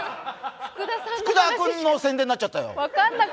フクダ君の宣伝になっちゃったよ。